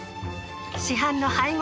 市販の配合